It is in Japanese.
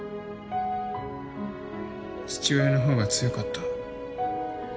父親の方が強かった。